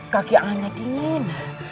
kaki anak dingin